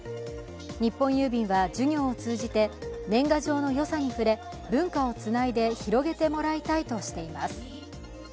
日本郵便は、授業を通じて年賀状によさに触れ、文化をつないで広げてもらいたいとしています。